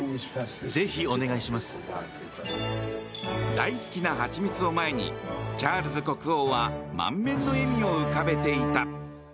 大好きなハチミツを前にチャールズ国王は満面の笑みを浮かべていた。